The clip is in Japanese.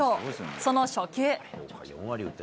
その初球。